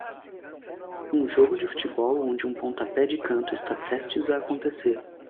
Um jogo de futebol onde um pontapé de canto está prestes a acontecer.